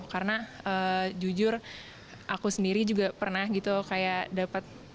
karena jujur aku sendiri juga pernah gitu kayak dapat